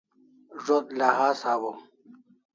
Zo't lahas hawaw